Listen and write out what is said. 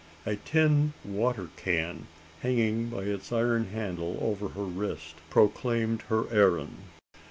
A tin water can, hanging by its iron handle over her wrist, proclaimed her errand.